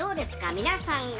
皆さんが。